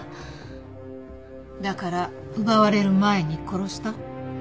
だから奪われる前に殺した？